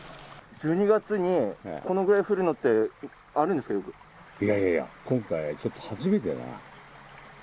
１２月にこのぐらい降るのっいやいやいや、今回、ちょっと初めてだな。